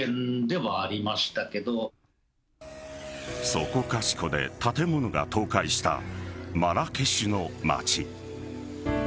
そこかしこで建物が倒壊したマラケシュの街。